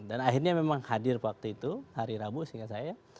akhirnya memang hadir waktu itu hari rabu seingat saya